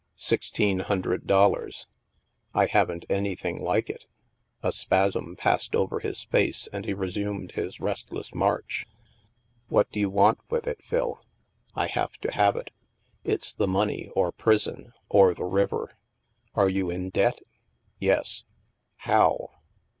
" Sixteen hundred dollars." " I haven't anything like it" A spasm passed over his face and he resumed his restless march. What do you want with it, Phil ?" I have to have it. It's the money, or prison, or the river." " Are you in debt ?"" Yes." "How?"